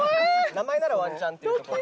名前ならワンチャンっていうところ。